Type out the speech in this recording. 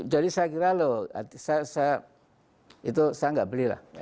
jadi saya kira loh itu saya enggak belilah